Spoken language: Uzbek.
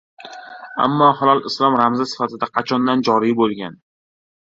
Ammo hilol Islom ramzi sifatida qachondan joriy bo‘lgan?